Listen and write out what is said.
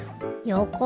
よこ。